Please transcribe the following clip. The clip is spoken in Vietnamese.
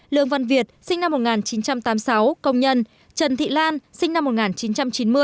lương văn việt sinh năm một nghìn chín trăm tám mươi sáu công nhân trần thị lan sinh năm một nghìn chín trăm chín mươi